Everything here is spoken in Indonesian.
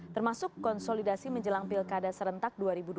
termasuk konsolidasi menjelang pilkada serentak dua ribu dua puluh